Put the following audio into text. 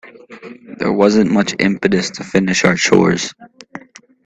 There wasn't much impetus to finish our chores.